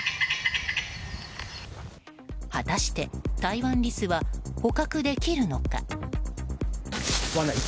果たしてタイワンリスは捕獲できるのか。